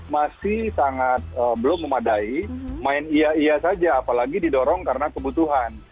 masih sangat belum memadai main iya iya saja apalagi didorong karena kebutuhan